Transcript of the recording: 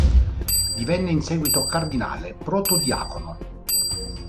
Divenne in seguito cardinale protodiacono.